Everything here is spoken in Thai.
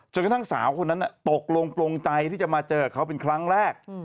กระทั่งสาวคนนั้นตกลงโปรงใจที่จะมาเจอกับเขาเป็นครั้งแรก